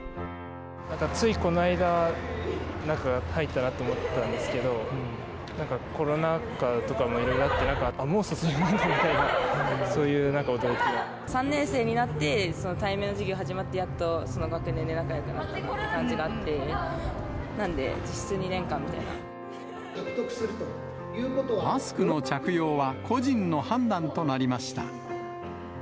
ついこの間、なんか入ったなと思ったんですけど、なんかコロナ禍とかもいろいろあって、もう卒業という、そういう３年生になって、対面の授業始まって、やっと学年で仲よくなったなって感じがあって、なんで、実質２年マスクの着用は個人の判断となりました。